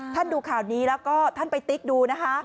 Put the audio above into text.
ดูข่าวนี้แล้วก็ท่านไปติ๊กดูนะคะ